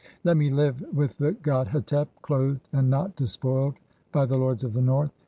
(20) [Let me] live with the god Hetep, "clothed and not despoiled by the lords of the north